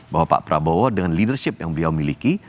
bahwa pak prabowo dengan leadership yang beliau miliki